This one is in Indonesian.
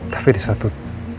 tapi di satu tempat